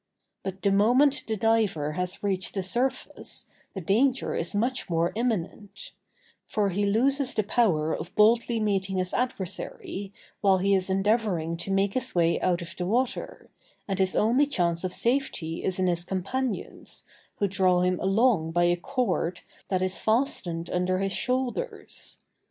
But the moment the diver has reached the surface, the danger is much more imminent; for he loses the power of boldly meeting his adversary while he is endeavoring to make his way out of the water, and his only chance of safety is in his companions, who draw him along by a cord that is fastened under his shoulders.